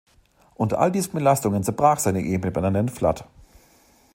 Unter all diesen Belastungen zerbrach seine Ehe mit Bernadette Flood.